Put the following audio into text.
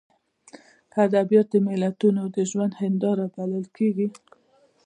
که ادبیات د ملتونو د ژوند هینداره بلل کېږي.